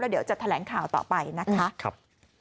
แล้วเดี๋ยวจะแถลงข่าวต่อไปนะคะครับ